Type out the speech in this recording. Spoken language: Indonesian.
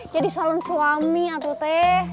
jadi salon suami atuh teh